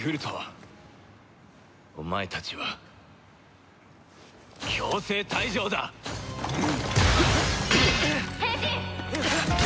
お前たちは強制退場だ！変身！